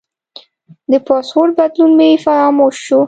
د پاسورډ بدلون مې فراموش شو.